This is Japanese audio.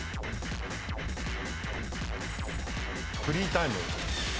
フリータイム。